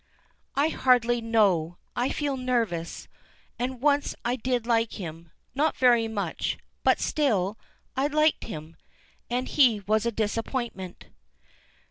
"I hardly know. I felt nervous and once I did like him not very much but still I liked him and he was a disappointment."